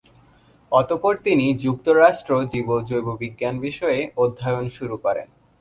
অতঃপর তিনি যুক্তরাষ্ট্র জীব-জৈব বিজ্ঞান বিষয়ে অধ্যয়ন শুরু করেন।